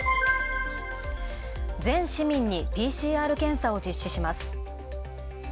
全市民にＰＣＲ検査を実施します。